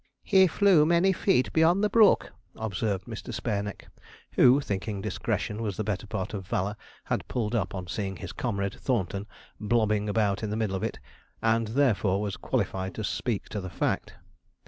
'He flew many feet beyond the brook,' observed Mr. Spareneck, who, thinking discretion was the better part of valour, had pulled up on seeing his comrade Thornton blobbing about in the middle of it, and therefore was qualified to speak to the fact.